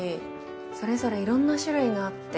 それぞれいろんな種類があって。